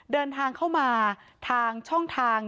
เดินทางเข้ามาทางช่องทาง